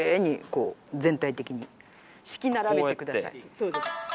そうです。